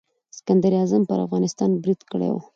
سکندر اعظم پر افغانستان برید کړی و.